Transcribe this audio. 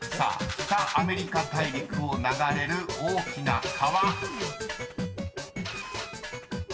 北アメリカ大陸を流れる大きな川］